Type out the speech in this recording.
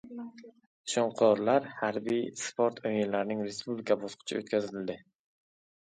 "Shunqorlar" harbiy-sport o‘yinlarining respublika bosqichi o‘tkazildi